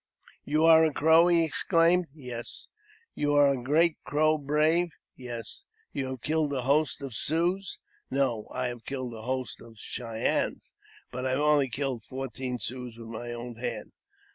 " You are a Crow? " he exclaimed. "Yes." *' You are a great Crow brave ?" "Yes." " You have killed a host of Siouxs? "" No ; I have killed a host of Cheyennes, but I have killed fourteen Siouxs with my own hand."